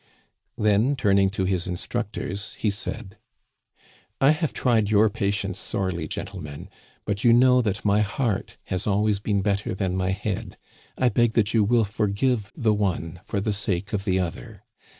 Then, turn ing to his instructors, he said :" I have tried your patience sorely, gentlemen, but you know that my heart has always been better than my head ; I beg that you will forgive the one for the sake of the other.